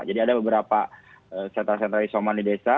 jadi ada beberapa sentra sentra isoman di desa